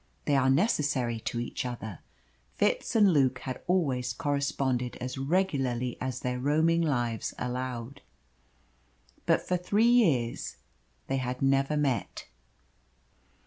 They are necessary to each other. Fitz and Luke had always corresponded as regularly as their roaming lives allowed. But for three years they had never met.